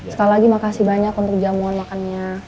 sekali lagi makasih banyak untuk jamuan makannya